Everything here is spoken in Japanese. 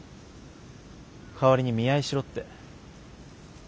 代わりに見合いしろって。